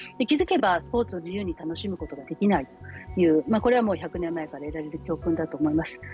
気付けばスポーツを自由に楽しむことができないというこれは１００年前から得られる教訓だと思います。